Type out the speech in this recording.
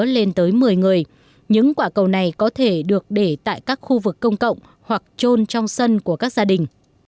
lên tới một mươi người những quả cầu này có thể được để tại các khu vực công cộng hoặc trôn trong sân của các gia đình